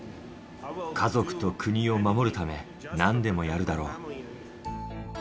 家族と国を守るため、なんでもやるだろう。